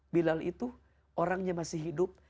bilal itu orangnya masih hidup